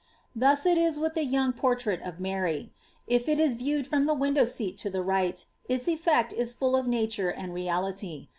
Thus it is with the youof portrait of Mary :— if it is viewed from the winduw seat to the right, iti efiect is full o( nature and reality.